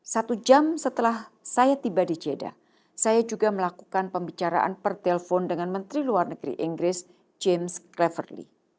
satu jam setelah saya tiba di jeddah saya juga melakukan pembicaraan pertelpon dengan menteri luar negeri inggris james cleverly